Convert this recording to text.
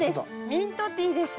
ミントティーです。